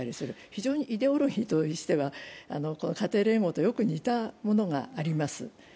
非常にイデオロギーとしては家庭連合とよく似たものがあります。